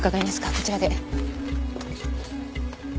こちらで。